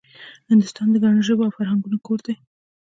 هندوستان د ګڼو ژبو او فرهنګونو کور دی